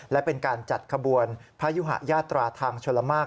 และเป็นการจัดขบวนพยุหะยาตราทางชลมาก